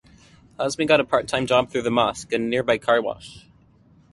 Hazmi got a part-time job through the mosque at a nearby car wash.